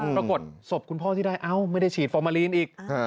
ปรากฏศพคุณพ่อที่ได้เอ้าไม่ได้ฉีดฟอร์มาลีนอีก